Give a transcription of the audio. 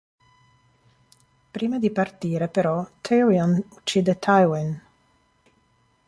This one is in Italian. Prima di partire, però, Tyrion uccide Tywin.